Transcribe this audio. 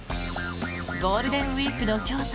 ゴールデンウィークの京都